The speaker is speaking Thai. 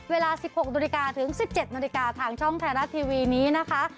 เวลา๑๖นถึง๑๗นทางช่องแทนาทีวีนี้นะคะ